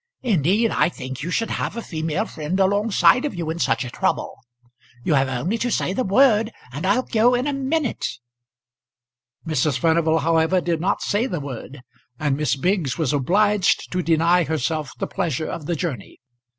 Indeed I think you should have a female friend alongside of you in such a trouble. You have only to say the word and I'll go in a minute." Mrs. Furnival however did not say the word, and Miss Biggs was obliged to deny herself the pleasure of the journey.